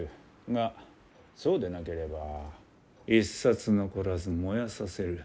がそうでなければ一冊残らず燃やさせる。